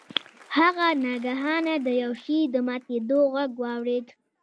هغه ناگهانه د یو شي د ماتیدو غږ واورید.